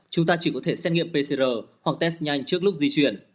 chúng ta chỉ có thể xét nghiệm pcr hoặc test nhanh trước lúc di chuyển